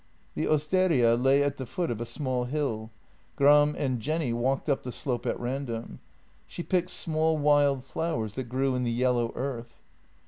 The osteria lay at the foot of a small hill. Gram and Jenny walked up the slope at random. She picked small wild flowers that grew in the yellow earth.